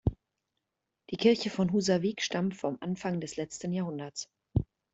Die Kirche von Húsavík stammt vom Anfang des letzten Jahrhunderts.